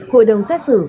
hội đồng xét xử